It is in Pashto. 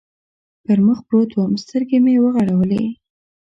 پر مخ پروت ووم، سترګې مې و غړولې.